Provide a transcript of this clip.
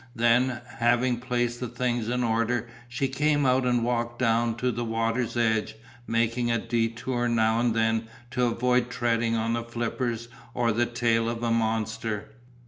Then, having placed the things in order, she came out and walked down to the water's edge, making a detour now and then to avoid treading on the flippers or the tail of a monster.